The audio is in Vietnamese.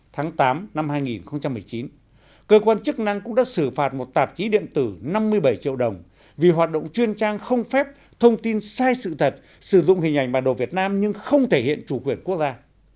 tháng tám năm hai nghìn một mươi chín cơ quan chức năng cũng đã xử phạt một tạp chí điện tử năm mươi bảy triệu đồng vì hoạt động chuyên trang không phép thông tin sai sự thật sử dụng hình ảnh bản đồ việt nam nhưng không thể hiện chủ quyền quốc gia